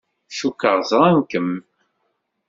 Cukkeɣ ẓran-kem.